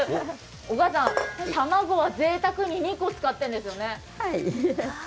お母さん、卵はぜいたくに２個使ってるんですよね。